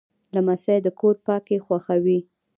لمسی د کور پاکي خوښوي.